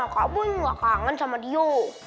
kak boy enggak kangen sama dio